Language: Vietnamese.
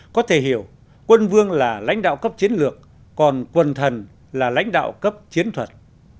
có thể hiểu quân vương là lãnh đạo cấp chiến lược còn quần thần là lãnh đạo cấp chiến thuật